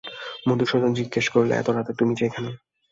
মধুসূদন জিজ্ঞাসা করলে, এত রাত্রে তুমি যে এখানে?